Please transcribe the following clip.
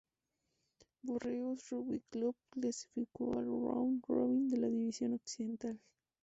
Borregos Rugby Club clasificó al Round Robin de la División Occidental.